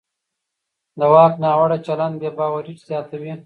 د واک ناوړه چلند بې باوري زیاتوي